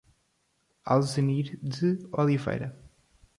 Alzenir de Oliveira